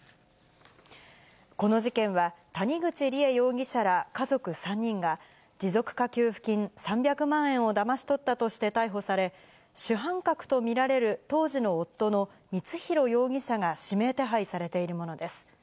この事件は、谷口梨恵容疑者ら家族３人が、持続化給付金３００万円をだまし取ったとして逮捕され、主犯格と見られる当時の夫の、光弘容疑者が指名手配されているものです。